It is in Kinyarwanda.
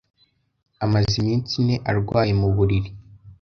Amaze iminsi ine arwaye mu buriri.